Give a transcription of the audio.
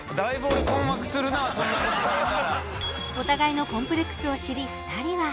お互いのコンプレックスを知り２人は。